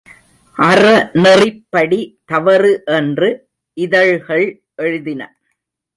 அறநெறிப்படி தவறு என்று இதழ்கள் எழுதின.